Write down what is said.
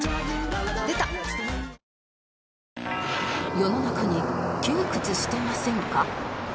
世の中に窮屈してませんか？